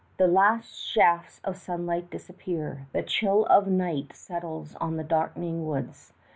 The last shafts of sunlight disappear. The chill of night settles on the darkening woods.